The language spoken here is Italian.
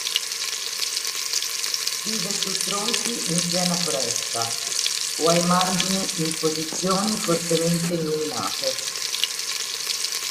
Vive su tronchi in piena foresta o ai margini in posizioni fortemente illuminate.